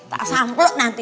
tak sampel nanti